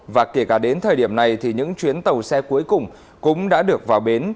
và kể cả đến thời điểm này thì những chuyến tàu xe cuối cùng cũng đã được vào bến